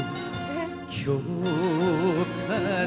「今日から」